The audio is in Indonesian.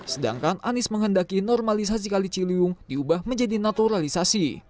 sedangkan anies menghendaki normalisasi kali ciliwung diubah menjadi naturalisasi